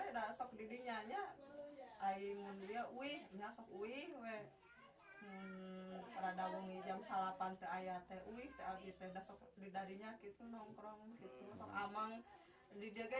salah satu keluarga korban menyatakan anak mereka dijemput teman teman di selatan jawa